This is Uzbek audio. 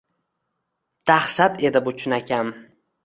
Dahshat edi bu chinakam